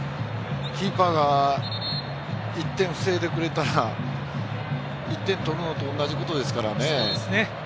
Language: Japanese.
キーパーが１点を防いでくれたら１点取るのと同じことですからね。